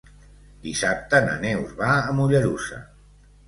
Dissabte na Neus va a Mollerussa.